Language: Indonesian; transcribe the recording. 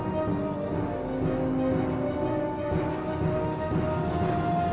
hal tuanya dipegosam than